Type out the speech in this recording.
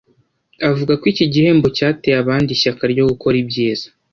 Avuga ko iki gihembo cyateye abandi ishyaka ryo gukora ibyiza